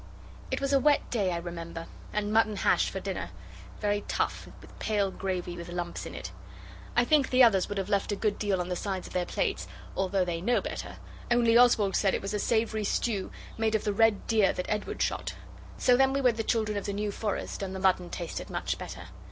It was a wet day, I remember, and mutton hash for dinner very tough with pale gravy with lumps in it. I think the others would have left a good deal on the sides of their plates, although they know better, only Oswald said it was a savoury stew made of the red deer that Edward shot. So then we were the Children of the New Forest, and the mutton tasted much better.